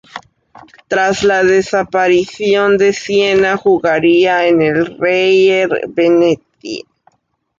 Tras la desaparición de Siena, jugaría en el Reyer Venezia.